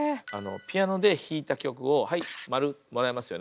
ピアノで弾いた曲を「はい」○もらいますよね。